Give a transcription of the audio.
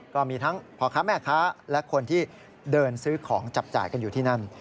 ก็มีทั้งพ่อค้าแม่ค้าและคนที่เดินซื้อของจับจ่ายกันอยู่ที่นั่น